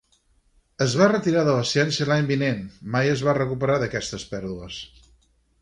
Es va retirar de la ciència l'any vinent, mai es va recuperar d'aquestes pèrdues.